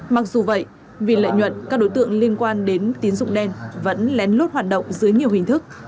mặc dù vậy vì lợi nhuận các đối tượng liên quan đến tín dụng đen vẫn lén lút hoạt động dưới nhiều hình thức